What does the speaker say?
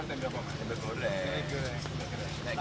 gak ada peronobos silahkan dirusin